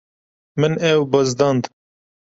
Min ew bizdand.